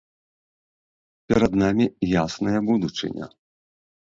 Перад намі ясная будучыня!